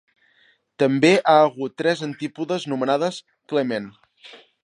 També ha hagut tres antípodes nomenades Clement.